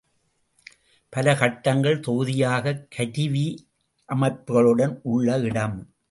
பல கட்டடங்கள் தொகுதியாகக் கருவியமைப்புகளுடன் உள்ள இடம்.